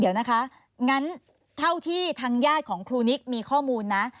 เดี๋ยวนะคะงั้นเท่าที่ทางญาติของครูนิกมีข้อมูลนะ